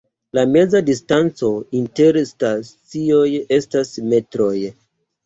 La meza distanco inter stacioj estas metroj.